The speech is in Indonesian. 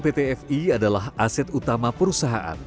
pt fi adalah aset utama perusahaan